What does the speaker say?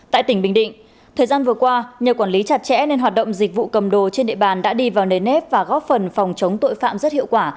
tại tỉnh bình định thời gian vừa qua nhờ quản lý chặt chẽ nên hoạt động dịch vụ cầm đồ trên địa bàn đã đi vào nền nếp và góp phần phòng chống tội phạm rất hiệu quả